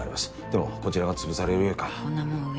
でもこちらが潰されるよりかは。